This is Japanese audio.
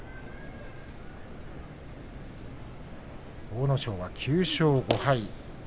阿武咲は９勝５敗。